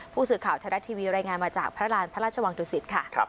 ผู้สื่อข่าวไทยรัฐทีวีรายงานมาจากพระราณพระราชวังดุสิตค่ะ